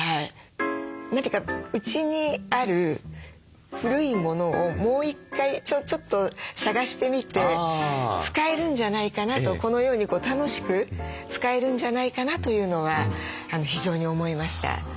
何て言うかうちにある古いものをもう１回ちょっと探してみて使えるんじゃないかなとこのように楽しく使えるんじゃないかなというのは非常に思いました。